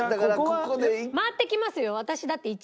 回ってきますよ。